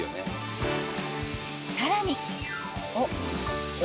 ［さらに］